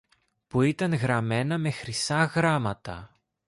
που ήταν γραμμένα με χρυσά γράμματα